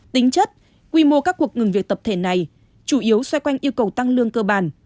tính chất quy mô các cuộc ngừng việc tập thể này chủ yếu xoay quanh yêu cầu tăng lương cơ bản